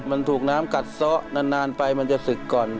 มันถูกน้ำกัดซ้อนานไปมันจะศึกก่อน